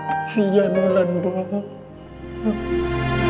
kesian wulan pak